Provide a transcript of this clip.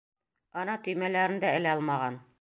Ана, төймәләрен дә элә алмаған!